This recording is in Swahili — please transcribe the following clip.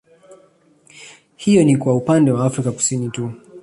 Hiyo ni kwa upande wa afrika Kusini tu